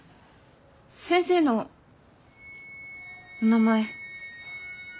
先生のお名前。